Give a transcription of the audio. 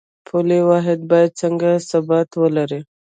پولي واحد باید څنګه ثبات ولري؟